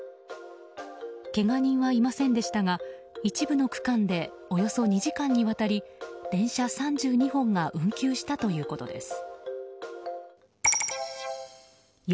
けが人はいませんでしたが一部の区間でおよそ２時間にわたり電車３２本が運休したということです。